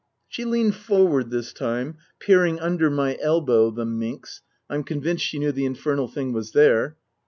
She leaned forward this time, peering under my elbow (the minx ! I'm convinced she knew the infernal thing was there).